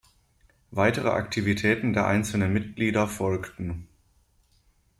Weitere Aktivitäten der einzelnen Mitglieder folgten.